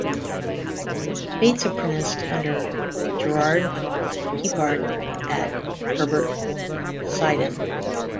Bates apprenticed under Gerard Pipart at Herbert Sidon.